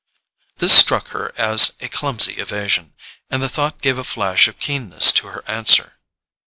This struck her as a clumsy evasion, and the thought gave a flash of keenness to her answer.